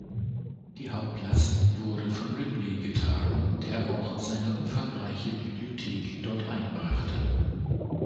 Die Hauptlast wurde von Ripley getragen, der auch seine umfangreiche Bibliothek dort einbrachte.